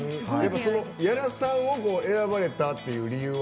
屋良さんを選ばれたっていう理由は？